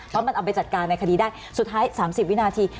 เพราะมันเอาไปจัดการในคดีได้สุดท้าย๓๐วินาที